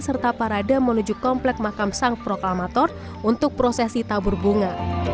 serta parade menuju komplek makam sang proklamator untuk prosesi tabur bunga